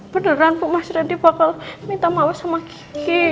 beneran bu mas nanti bakal minta maaf sama kiki